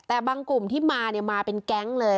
แต่บางกลุ่มที่มาเนี่ยมาเป็นแก๊งเลย